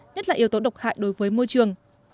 nhất là yếu tố độc hại đối với môi trường